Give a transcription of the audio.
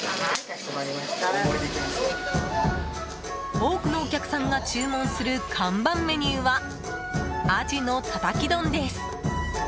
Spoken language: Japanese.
多くのお客さんが注文する看板メニューは鯵のたたき丼です。